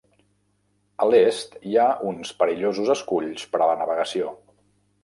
A l'est hi ha uns perillosos esculls per a la navegació.